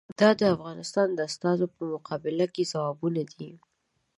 دا د افغانستان د استازي په مقابل کې ځوابونه دي.